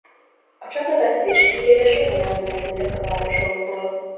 A csatavesztés hírére sokan elmenekültek a városokból.